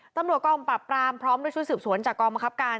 ตำรวจกองปรับปรามพร้อมด้วยชุดสืบสวนจากกองบังคับการ